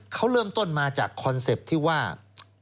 เขาเริ่มต้นมาจากคอนเซ็ปต์ที่ว่า